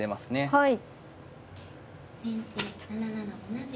はい。